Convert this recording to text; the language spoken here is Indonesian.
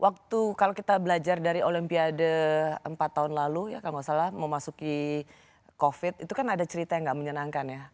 waktu kalau kita belajar dari olimpiade empat tahun lalu ya kalau nggak salah memasuki covid itu kan ada cerita yang gak menyenangkan ya